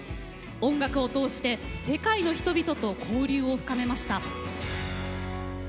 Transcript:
音楽を通して世界の人々と交流を深めました。